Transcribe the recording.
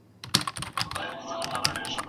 ستا د سرو شونډو رنګ د دغه سور غمي غوندې دی